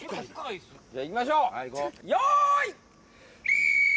じゃあいきましょうよい！